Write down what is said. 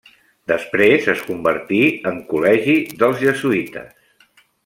Després es convertí en col·legi dels jesuïtes.